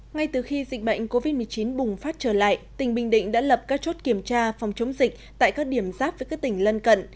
ngay từ khi dịch bệnh covid một mươi chín bùng phát trở lại tỉnh bình định đã lập các chốt kiểm tra phòng chống dịch tại các điểm giáp với các tỉnh lân cận